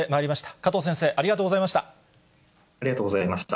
加藤先生、ありがとうございました。